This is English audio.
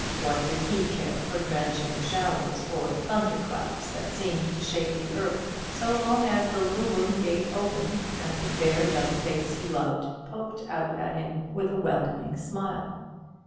What did he care for drenching showers, or thunderclaps that seemed to shake the earth, so long as the little wooden gate opened, and the fair young face he loved poked out at him with a welcoming smile?